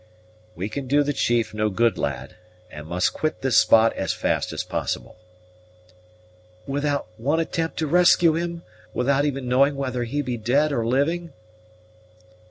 "We can do the chief no good, lad, and must quit this spot as fast as possible." "Without one attempt to rescue him? without even knowing whether he be dead or living?"